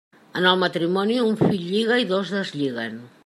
En el matrimoni, un fill lliga i dos deslliguen.